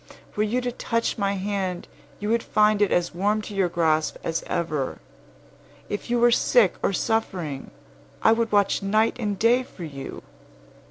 "Were you to touch my hand, you would find it as warm to your grasp as ever. If you were sick or suffering, I would watch night and day for you.